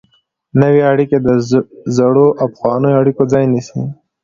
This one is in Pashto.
نوې اړیکې د زړو او پخوانیو اړیکو ځای نیسي.